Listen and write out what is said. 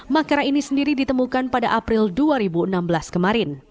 makara ini sendiri ditemukan pada april dua ribu enam belas kemarin